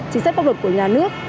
chính sách pháp luật của nhà nước